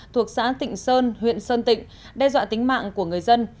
thuộc xã tịnh sơn huyện sơn tịnh đe dọa tính mạng của người dân